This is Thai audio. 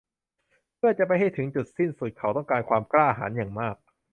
เพื่อจะไปให้ถึงจุดสิ้นสุด เขาต้องการความกล้าหาญอย่างมาก